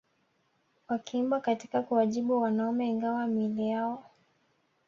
wakiimba katika kuwajibu wanaume Ingawa miili yao